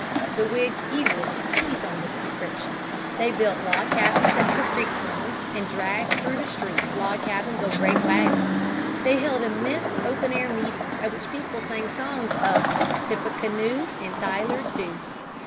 The Whigs eagerly seized on this description. They built log cabins at the street corners and dragged through the streets log cabins on great wagons. They held immense open air meetings at which people sang songs of "Tippecanoe and Tyler Too."